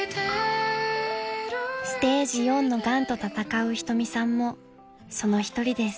［ステージ４のがんと闘う仁美さんもその一人です］